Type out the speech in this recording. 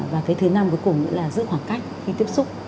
và cái thứ năm cuối cùng nữa là giữ khoảng cách khi tiếp xúc